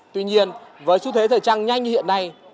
tuy nhiên với xu thế thời trang nhanh như hiện nay